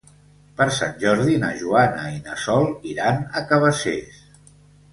Per Sant Jordi na Joana i na Sol iran a Cabacés.